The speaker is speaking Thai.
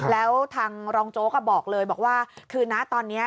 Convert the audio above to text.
แล้วทางรองโจ๊กบอกเลยบอกว่าคือนะตอนนี้